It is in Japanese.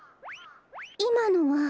いまのは？